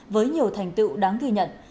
với nhiều thành tựu đáng ghi nhận